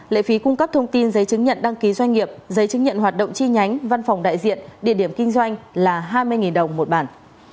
lệ phí cung cấp thông tin giấy chứng nhận đăng ký doanh nghiệp giấy chứng nhận hoạt động chi nhánh văn phòng đại diện địa điểm kinh doanh là hai mươi đồng một bản